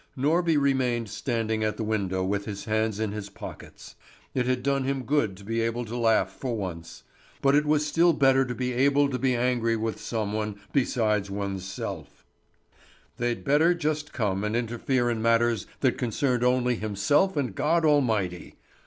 Norby remained standing at the window with his hands in his pockets. It had done him good to be able to laugh for once; but it was still better to be able to be angry with some one besides one's self. They'd better just come and interfere in matters that concerned only himself and God Almighty!